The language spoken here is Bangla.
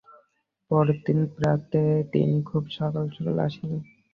পরদিন প্রাতে তিনি খুব সকাল সকাল আসিলেন।